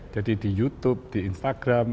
jadi di youtube di instagram